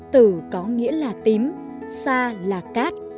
từ có nghĩa là tím xa là cát